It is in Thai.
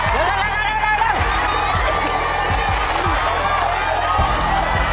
เดี๋ยว